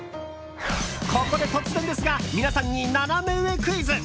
ここで突然ですが皆さんにナナメ上クイズ。